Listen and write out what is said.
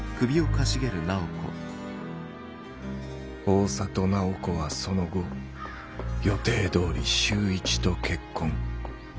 大郷楠宝子はその後予定どおり修一と結婚。